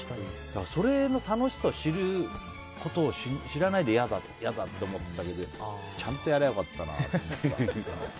それの楽しさを知ることを知らないで嫌だって思ってたけどちゃんとやればよかったなと思った。